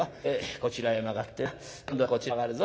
こちらへ曲がってな今度はこちらへ曲がるぞ。